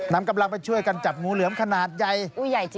นำกำลังไปช่วยกันจับงูเหลือมขนาดใหญ่